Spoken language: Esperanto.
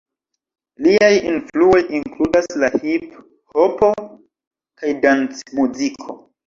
Liaj influoj inkludas la hiphopo kaj dancmuziko.